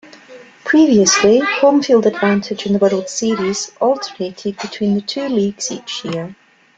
Previously, home-field advantage in the World Series alternated between the two leagues each year.